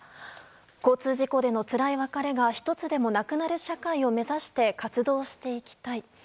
「交通事故での辛い別れが１つでも無くなる社会を目指して活動していきたい」。